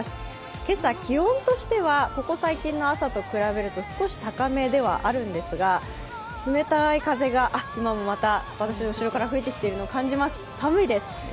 今朝、気温としてはここ最近の朝と比べると少し高めではあるんですが、冷たい風が今もまた私の後ろから吹いてきているのを感じます、寒いです。